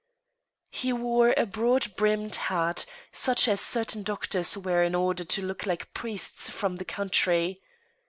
He wore a broad brimmed hat, such as certain doctors wear in order to look like priests from the country.